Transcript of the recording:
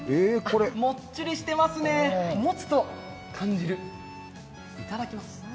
もっちりしてますね、持つと感じるいただきます。